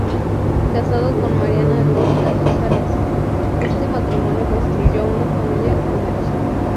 Casado con Marina Acosta González, este matrimonio constituyó una familia numerosa.